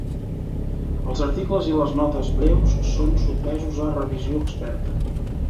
Els articles i les notes breus són sotmesos a revisió experta.